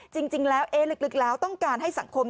จริงแล้วลึกแล้วต้องการให้สังคม